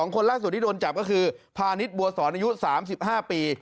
คนล่าสุดที่โดนจับก็คือพาณิชย์บัวสอนอายุ๓๕ปี